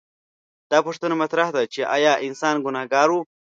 دا پوښتنه مطرح ده چې ایا انسان ګنهګار و؟